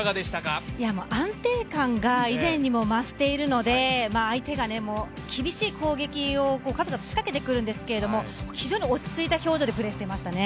安定感が以前にも増しているので、相手が厳しい攻撃を数々仕掛けてくるんですけれども非常に落ち着いた表情でプレーしていましたね。